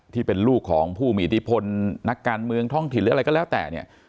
ที่เป็นลูกของผู้มีอิทธิพลนักการเมืองท้องถิ่นหรืออะไรก็แล้วแต่เนี่ย